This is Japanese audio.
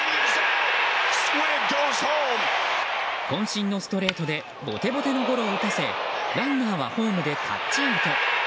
渾身のストレートでボテボテのゴロを打たせランナーはホームでタッチアウト。